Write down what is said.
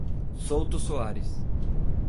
Souto Soares